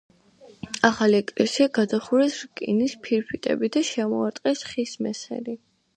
ახალი ეკლესია გადახურეს რკინის ფირფიტებით და შემოარტყეს ხის მესერი.